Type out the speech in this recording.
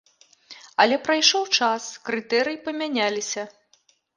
Але прайшоў час, крытэрыі памяняліся.